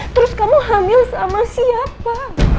terus kamu hamil sama siapa